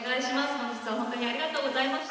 本日は本当にありがとうございました。